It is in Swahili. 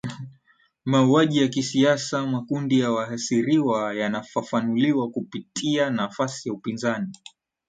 mauaji ya kisiasa makundi ya wahasiriwa yanafafanuliwa kupitia nafasi ya upinzani